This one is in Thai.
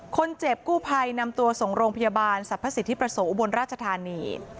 คนเจ็บกู้ภัยนำตัวส่งโรงพยาบาลสรรพสิทธิประสงค์อุบลราชธานี